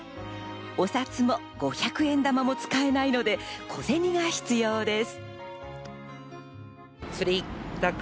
お札も５００円玉も使えないので、小銭が必要です。